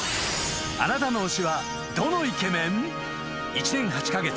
［１年８カ月。